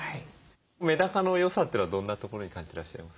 メダカの良さというのはどんなところに感じてらっしゃいます？